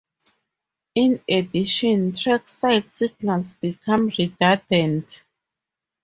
In addition, trackside signals become redundant.